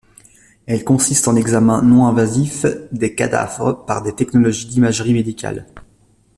Elle consiste en l'examen non invasif des cadavres par des technologies d'imagerie médicale.